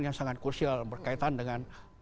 yang sangat krusial berkaitan dengan